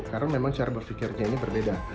karena memang cara berpikirnya ini berbeda